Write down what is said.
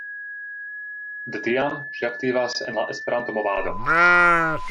De tiam ŝi aktivas en la Esperanto-movado.